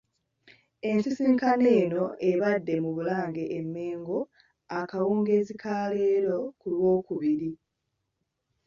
Ensisinkano eno ebadde mu Bulange e Mmengo akawungeezi ka leero ku Lwookubiri.